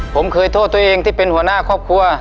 ผมเคยโทษตัวเองที่เป็นหัวหน้าครอบครัว